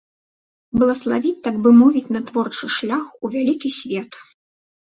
Блаславіць, так бы мовіць, на творчы шлях у вялікі свет.